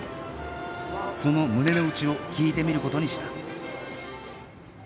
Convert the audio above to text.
その胸の内を聞いてみる事にした